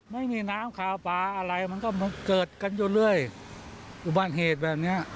ไม่มีน้ำขาวปลาอะไรมันก็มันเกิดกันอยู่เรื่อยอุบัติเหตุแบบเนี้ย